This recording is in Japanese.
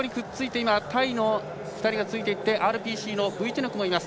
タイの２人がついていってＲＰＣのブィチェノクもいます。